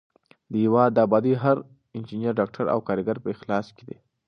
د هېواد ابادي د هر انجینر، ډاکټر او کارګر په اخلاص کې ده.